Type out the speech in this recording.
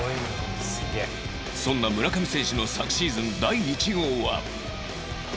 そんな村上選手の昨シーズン第１号は